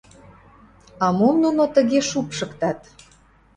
А мом нуно тыге шупшыктат?